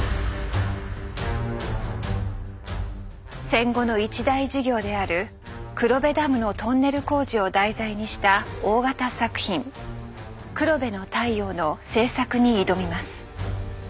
戦後の一大事業である黒部ダムのトンネル工事を題材にした大型作品「黒部の太陽」の製作に挑みます。